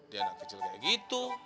dia anak kecil kaya gitu